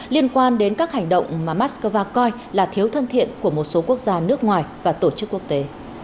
liên quan đến các hành động mà moscow coi là thiếu thân thiện của một số quốc gia nước ngoài và tổ chức quốc tế